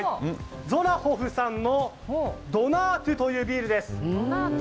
ゾラホフさんのドナートゥというビールです。